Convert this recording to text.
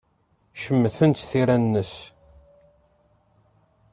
Cemtent tira-nnes.